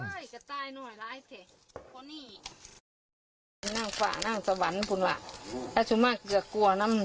นั่งฝ่านั่งสวรรค์คุณว่ะอาชุมะเกือบกว่าน้ำ